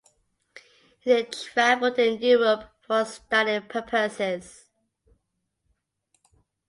He then traveled in Europe for study purposes.